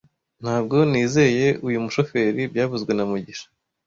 Ntabwo nizeye uyu mushoferi byavuzwe na mugisha